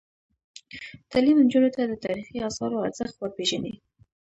تعلیم نجونو ته د تاریخي اثارو ارزښت ور پېژني.